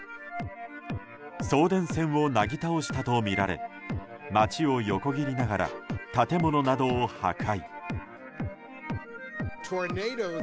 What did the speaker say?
送電線をなぎ倒したとみられ街を横切りながら建物などを破壊。